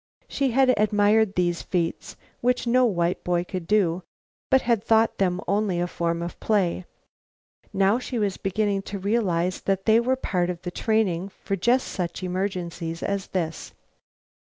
She had admired these feats, which no white boy could do, but had thought them only a form of play. Now she was beginning to realize that they were part of the training for just such emergencies as this.